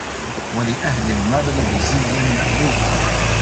وَلِأَهْلِ الْمَغْرِبِ زِيًّا مَأْلُوفًا